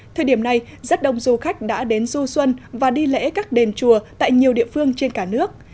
thời điểm này rất đông du khách đã đến du xuân và đi lễ các đền chùa tại nhiều địa phương trên cả nước